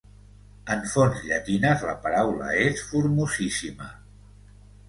En fonts llatines, la paraula és "formosissima".